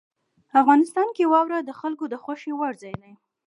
افغانستان کې واوره د خلکو د خوښې وړ ځای دی.